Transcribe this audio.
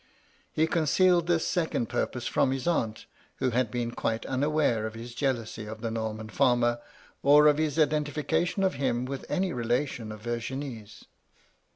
He concealed this second pm^ose from his aunt, who had been quite unaware of his jealousy of the Norman farmer, or of his identification of him with any rela tion of Virginie^s.